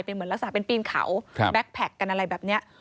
เป็นเหมือนลักษณะเป็นปีนเขาแบ็คแพคกันอะไรแบบนี้